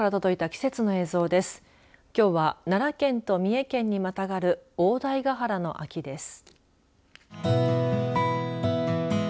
きょうは奈良県と三重県にまたがる大台ヶ原の秋です。